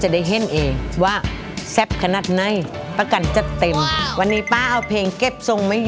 ฉลาดเลือกเพลงลูกคือเลือกมาเนี้ยห่างกับปีตัวเองได้โบนัสไปแล้วแต่ว่าดันเลือกแล้วดันเข้ากับเสียงโทนเสียงของตัวเองหมดเลย